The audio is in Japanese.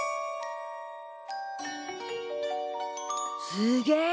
すげえ！